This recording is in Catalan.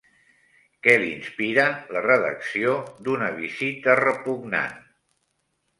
Què li inspira la redacció d'Una Visita Repugnant?